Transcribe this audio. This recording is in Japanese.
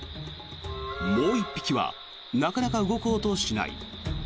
もう１匹はなかなか動こうとしない。